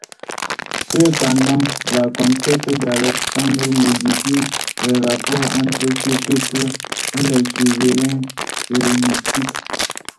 Cependant, la conquête d'Alexandre modifie les rapports entre ce peuple et les souverains hellénistiques.